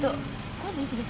「今度」？